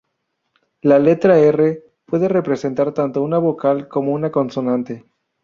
La letra "R" puede representar tanto una vocal como una consonante.